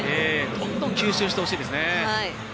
どんどん吸収してほしいですね。